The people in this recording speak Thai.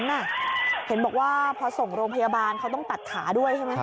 เห็นบอกว่าพอส่งโรงพยาบาลเขาต้องตัดขาด้วยใช่ไหม